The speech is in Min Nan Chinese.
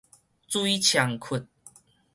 水沖窟